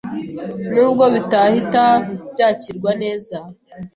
n’ubwo bitahita byakirwa neza